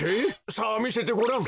さあみせてごらん！